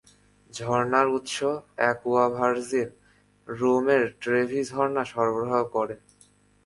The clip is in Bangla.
ঝর্ণার উৎস, অ্যাকুয়া ভার্জিন, রোমের ট্রেভি ঝর্ণা সরবরাহ করে।